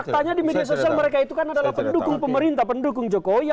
faktanya di media sosial mereka itu kan adalah pendukung pemerintah pendukung jokowi